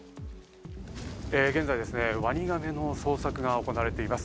現在ですね、ワニガメの捜索が行われています。